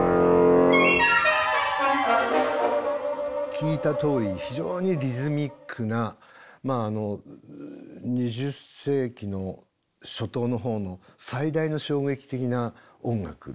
聴いたとおり非常にリズミックなまああの２０世紀の初頭のほうの最大の衝撃的な音楽ですね。